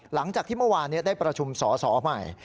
หลังจากที่เมื่อวานได้ประชุมสอสอใหม่